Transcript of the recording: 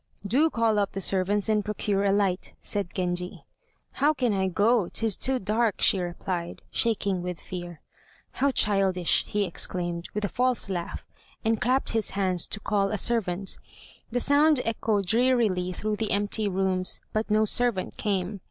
"Do call up the servants and procure a light," said Genji. "How can I go, 'tis too dark," she replied, shaking with fear. "How childish!" he exclaimed, with a false laugh, and clapped his hands to call a servant. The sound echoed drearily through the empty rooms, but no servant came.